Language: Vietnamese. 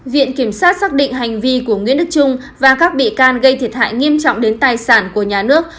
viện kiểm sát xác định hành vi của nguyễn đức trung và các bị can gây thiệt hại nghiêm trọng đến tài sản của nhà nước